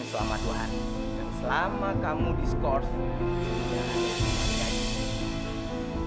jadi jangan lihat lihat saja